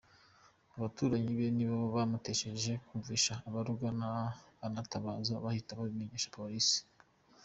Abaturanyi be ni bo bamumutesheje bumvise aboroga anatabaza, bahita babimenyesha Polisi.